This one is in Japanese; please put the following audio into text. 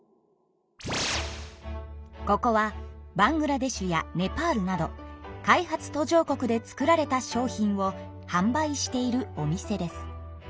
ここはバングラデシュやネパールなど開発途上国で作られた商品をはん売しているお店です。